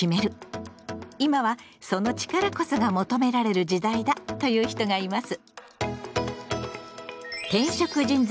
今はその力こそが求められる時代だという人がいます。